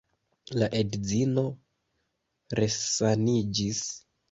La edzino resaniĝis.